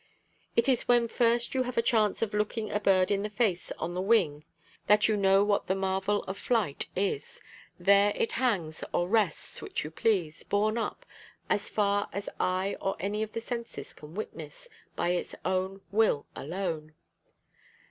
It is when first you have a chance of looking a bird in the face on the wing that you know what the marvel of flight is. There it hangs or rests, which you please, borne up, as far as eye or any of the senses can witness, by its own will alone.